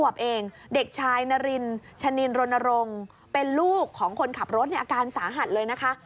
เป็นลูกของคนขับรถเนี่ยอาการสาหัสเลยนะคะ